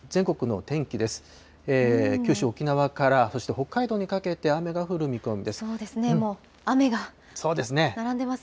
九州、沖縄から、そして北海道にかけて、雨が降る見込みです。